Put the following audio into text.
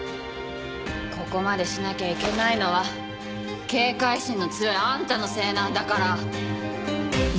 ここまでしなきゃいけないのは警戒心の強いあんたのせいなんだから！